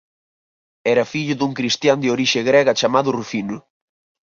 Era fillo dun cristián de orixe grega chamado Rufino.